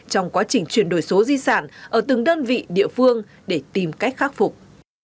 trong quá trình chuyển đổi số di sản ở từng đơn vị địa phương để tìm cách khắc phục